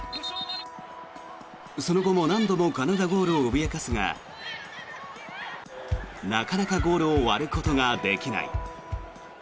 その後も何度もカナダゴールを脅かすがなかなかゴールを割ることができない。